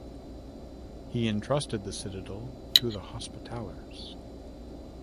He entrusted the citadel to the Hospitallers.